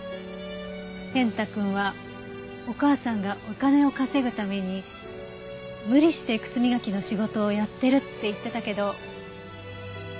健太くんはお母さんがお金を稼ぐために無理して靴磨きの仕事をやってるって言ってたけど。